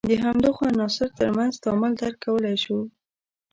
د همدغو عناصر تر منځ تعامل درک کولای شو.